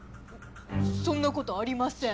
そんなことありません。